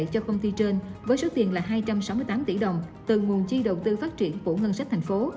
cho công ty trên với số tiền là hai trăm sáu mươi tám tỷ đồng từ nguồn chi đầu tư phát triển của ngân sách thành phố